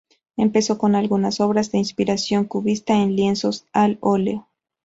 Empezó con algunas obras de inspiración cubista en lienzos al óleo.